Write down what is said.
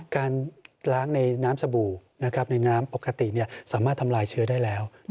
การล้างในน้ำสบู่ในน้ำปกติสามารถทำลายเชื้อได้แล้ว